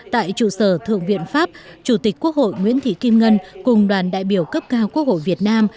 tại trụ sở thượng viện pháp chủ tịch quốc hội nguyễn thị kim ngân cùng đoàn đại biểu cấp cao quốc hội việt nam